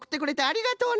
ありがとう！